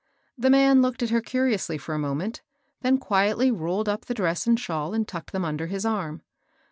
The man looked at her curiously for a moment, then quietly rolled up the dress and shawl and tucked them under his arm.